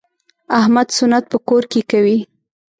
احمد سنت په کور کې کوي.